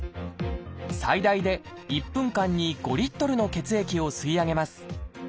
最大で１分間に５リットルの血液を吸い上げます。